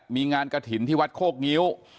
มีงานกระถิ่นที่วัดโคกงิ้ว